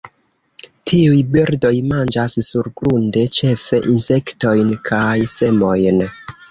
Tiuj birdoj manĝas surgrunde ĉefe insektojn kaj semojn.